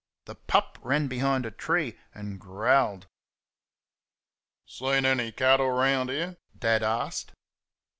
The pup ran behind a tree and growled. "Seen any cattle round here?" Dad asked.